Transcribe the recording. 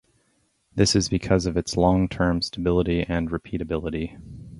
This is because of its long-term stability and repeatability.